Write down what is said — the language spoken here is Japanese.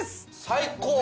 最高！